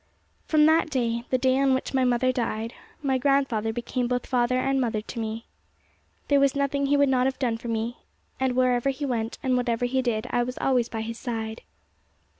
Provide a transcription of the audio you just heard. From that day, the day on which my mother died, my grandfather became both father and mother to me. There was nothing he would not have done for me, and wherever he went and whatever he did, I was always by his side.